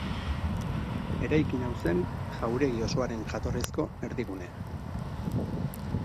Eraikin hau zen jauregi osoaren jatorrizko erdigunea.